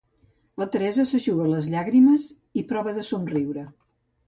La Teresa s'eixuga les llàgrimes i prova de somriure.